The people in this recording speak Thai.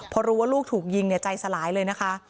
พอรู้ว่าลูกถูกยิงใจสลายเลยนะคะ